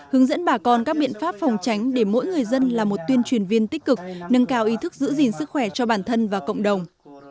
hướng dẫn bà con các biện pháp phòng tránh để mỗi người dân là một tuyên truyền viên tích cực nâng cao ý thức giữ gìn sức khỏe cho bản thân và cộng đồng